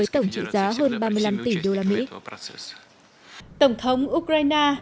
tổng thống ukraine